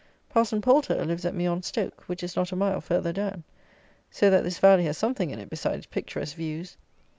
Parson Poulter lives at Meon Stoke, which is not a mile further down. So that this valley has something in it besides picturesque views!